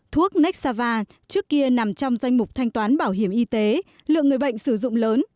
thuốc nex sava trước kia nằm trong danh mục thanh toán bảo hiểm y tế lượng người bệnh sử dụng lớn